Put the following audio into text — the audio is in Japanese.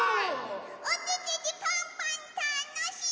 おててでパンパンたのしい！